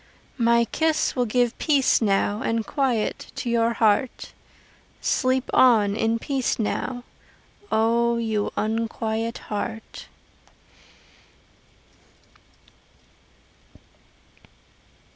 My kiss will give peace now And quiet to your heart Sleep on in peace now, O you unquiet heart!